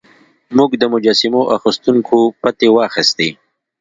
موږ د مجسمو اخیستونکو پتې واخیستې.